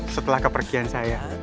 setelah kepergian saya